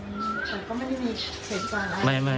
อืมแต่ก็ไม่ได้มีเหตุผลอะไร